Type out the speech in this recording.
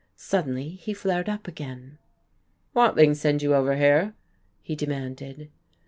Suddenly he flared up again. "Watling send you over here?" he demanded.